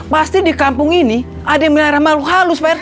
pasti di kampung ini ada miliaran mahluk halus pak rt